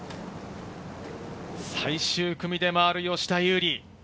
最終組で回る吉田優利。